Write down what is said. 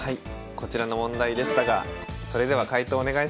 こちらの問題でしたがそれでは解答お願いします。